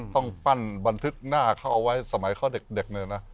ต้องปั้นบันทึกหน้าเขาเอาไว้สมัยเขาเด็กเลยนะ